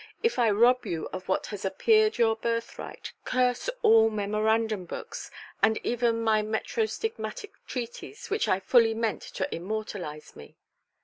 If I rob you of what has appeared your birthright, curse all memorandum–books, and even my metrostigmatic treatise, which I fully meant to immortalize me".